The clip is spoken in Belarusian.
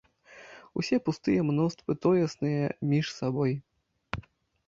Усе пустыя мноствы тоесныя між сабой.